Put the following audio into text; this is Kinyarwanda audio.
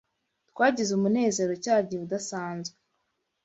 "Twagize umunezero cya gihe udasanzwe